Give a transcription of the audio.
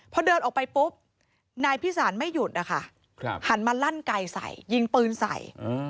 พอเดินออกไปปุ๊บนายพิสารไม่หยุดนะคะหันมาลั่นไก่ใส่ยิงปืนใส่